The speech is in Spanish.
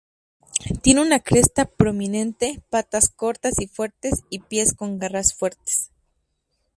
Tiene una cresta prominente, patas cortas y fuertes y pies con garras fuertes.